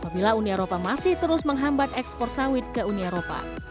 bila uni eropa masih terus menghambat ekspor sawit ke uni eropa